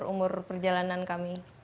umur perjalanan kami